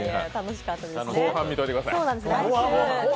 後半見といてください。